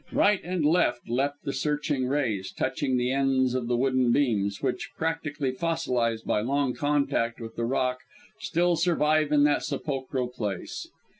Right and left leapt the searching rays, touching the ends of the wooden beams, which, practically fossilised by long contact with the rock, still survive in that sepulchral place.